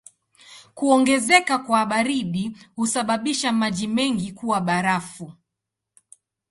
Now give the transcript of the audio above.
Kuongezeka kwa baridi husababisha maji mengi kuwa barafu.